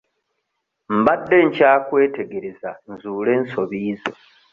Mbadde nkyakwetegereza nzuule ensobi zo.